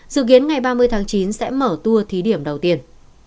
dự kiến ngày ba mươi tháng chín sẽ mở tour thí điểm đầu tiên